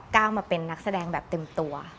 ก้าวมาเป็นนักแสดงแบบเต็มตัว